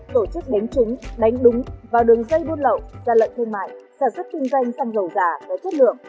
tổ chức đánh chính đánh đúng vào đường dây buôn lậu gian lận thương mại sản xuất kinh doanh xăng dầu giả có chất lượng